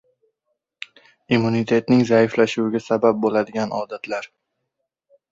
Immunitetning zaiflashuviga sabab bo‘ladigan odatlar